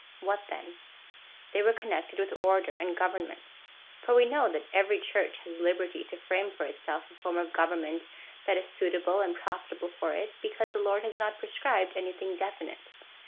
What then ? They were connected with order and government. For we know that every Church has liberty to frame for itself a form of government that is suitable and profitable for it, because the Lord has not pre scribed anything definite.